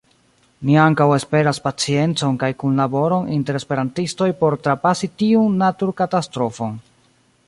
Ni ankaŭ esperas paciencon kaj kunlaboron inter esperantistoj por trapasi tiun naturkatastrofon.